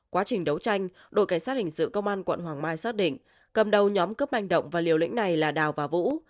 quá trình đấu tranh đội cảnh sát hình sự công an quận hoàng mai xác định cầm đầu nhóm cướp manh động và liều lĩnh này là đào và vũ